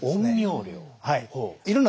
はい。